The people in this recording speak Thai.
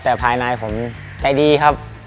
แต่ภายในผมใจดีครับ